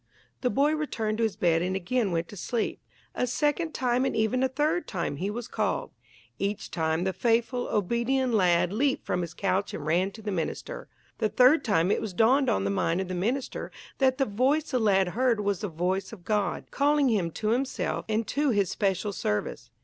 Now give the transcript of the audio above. The boy returned to his bed and again went to sleep. A second time, and even a third time he was called. Each time the faithful, obedient lad leaped from his couch and ran to the minister. The third time it dawned on the mind of the minister that the voice the lad heard was the voice of God, calling him to himself and to his special service.